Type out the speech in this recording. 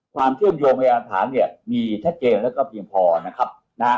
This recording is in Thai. ความเที่ยมโยงพยานฐานมีแท็กเกณฑ์และก็พิมพ์พอนะครับ